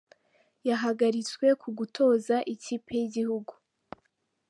Yahagaritswe ku gutoza ikipe y’igihugu